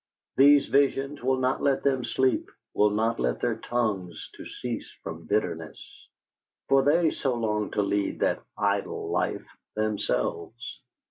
These visions will not let them sleep, will not let their tongues to cease from bitterness, for they so long to lead that "idle" life themselves.